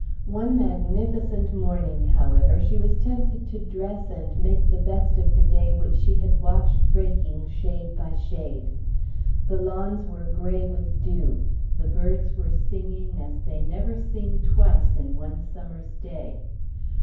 One magnificent morning, however, she was tempted to dress and make the best of the day which she had watched breaking shade by shade. The lawns were gray with dew; the birds were singing as they never sing twice in one summer's day.